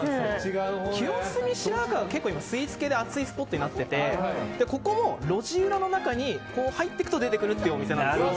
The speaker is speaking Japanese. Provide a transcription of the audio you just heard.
清澄白河は今スイーツ系で熱いスポットになっていてここも路地裏の中に入っていくと出てくるお店です。